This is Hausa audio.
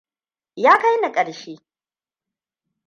Ya kaini ƙarshe.